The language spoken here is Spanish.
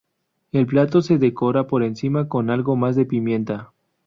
El plato se decora por encima con algo más de pimienta.